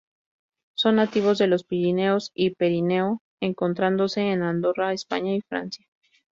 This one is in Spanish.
Son nativos de los Pirineos y Prepirineo, encontrándose en Andorra, España y Francia.